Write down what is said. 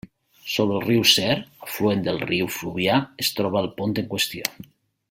Sobre el riu Ser, afluent del riu Fluvià, es troba el pont en qüestió.